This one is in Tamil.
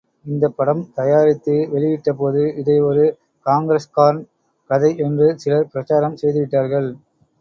இந்தப் படம் தயாரித்து வெளியிட்டபோது இதை ஒரு காங்கிரஸ்கார்ன் கதை என்று சிலர் பிரசாரம் செய்துவிட்டார்கள்.